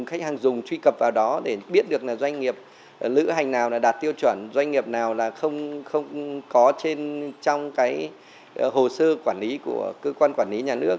khách hàng dùng truy cập vào đó để biết được là doanh nghiệp lữ hành nào là đạt tiêu chuẩn doanh nghiệp nào là không có trên trong cái hồ sơ quản lý của cơ quan quản lý nhà nước